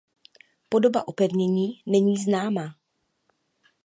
Podoba opevnění není známá.